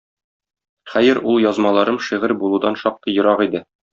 Хәер, ул язмаларым шигырь булудан шактый ерак иде.